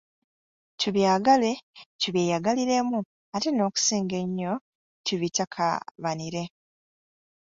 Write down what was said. Tubyagale, tubyeyagaliremu ate n’okusinga ennyo tubitakabanire.